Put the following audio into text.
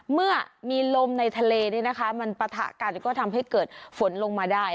เมื่อมีลมในทะเลมันปะทะกันก็ทำให้เกิดฝนลงมาได้